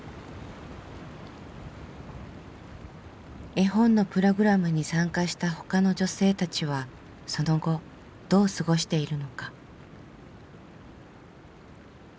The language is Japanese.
絵本のプログラムに参加した他の女性たちはその後どう過ごしているのか。